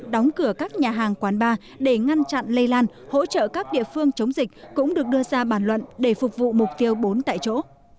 đóng cửa các nhà hàng quán bar để ngăn chặn lây lan hỗ trợ các địa phương chống dịch cũng được đưa ra bàn luận để phục vụ mục tiêu bốn tại chỗ